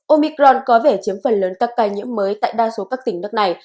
omicron có vẻ chiếm phần lớn các ca nhiễm mới tại đa số các tỉnh nước này